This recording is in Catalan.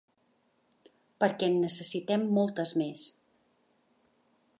Perquè en necessitem moltes més.